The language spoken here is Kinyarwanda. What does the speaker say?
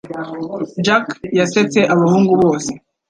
Jack yasetse abahungu bose.